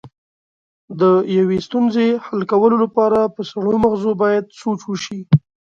د یوې ستونزې حل کولو لپاره په سړو مغزو باید سوچ وشي.